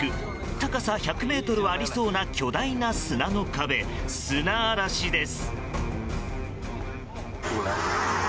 高さ１００ｍはありそうな巨大な砂の壁、砂嵐です。